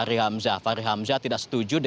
video tersebut tidak database